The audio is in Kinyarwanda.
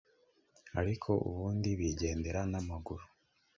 ariko ubundi bigendera n’amaguru